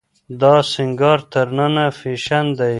دا سينګار تر ننه فېشن دی.